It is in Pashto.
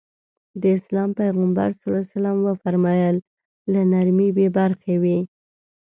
د اسلام پيغمبر ص وفرمايل له نرمي بې برخې وي.